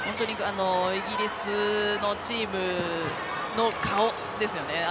イギリスのチームの顔ですよね。